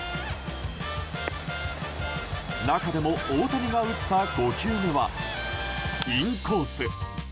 中でも大谷が打った５球目はインコース。